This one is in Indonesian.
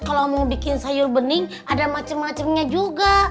kalau mau bikin sayur bening ada macem macemnya juga